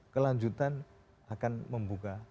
kelanjutan akan membuka